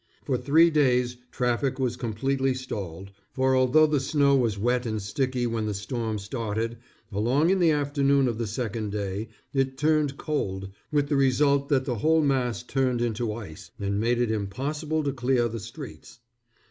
For three days traffic was completely stalled, for although the snow was wet and sticky when the storm started, along in the afternoon of the second day, it turned cold, with the result that the whole mass turned into ice, and made it impossible to clear the streets.